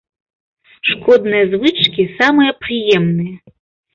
Шкодныя звычкі самыя прыемныя.